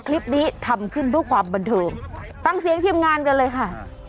คลิปนี้ทำขึ้นเพื่อความบันเทิงฟังเสียงทีมงานกันเลยค่ะ